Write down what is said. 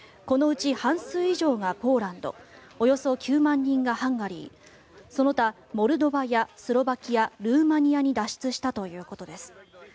このうち半数以上がポーランドおよそ９万人がハンガリーその他、モルドバやスロバキアルーマニアに脱出したということです。